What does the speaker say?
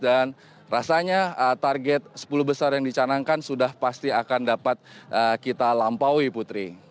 dan rasanya target sepuluh besar yang dicanangkan sudah pasti akan dapat kita lampaui putri